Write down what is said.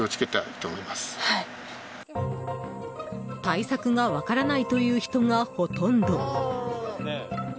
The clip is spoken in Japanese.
対策が分からないという人がほとんど。